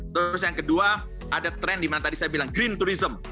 terus yang kedua ada tren di mana tadi saya bilang green tourism